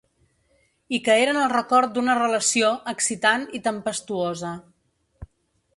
I que eren el record d’una relació, excitant i tempestuosa.